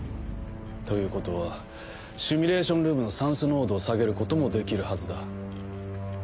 ということはシミュレーションルームの酸素濃度を下げることもできるはずだ。